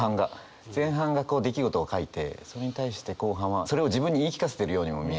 前半がこう出来事を書いてそれに対して後半はそれを自分に言い聞かせてるようにも見える。